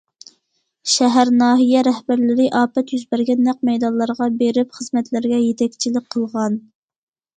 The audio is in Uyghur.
شەھەر، ناھىيە رەھبەرلىرى ئاپەت يۈز بەرگەن نەق مەيدانلارغا بېرىپ، خىزمەتلەرگە يېتەكچىلىك قىلغان.